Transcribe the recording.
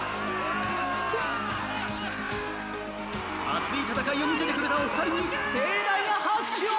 熱い戦いを見せてくれたお二人に盛大な拍手を！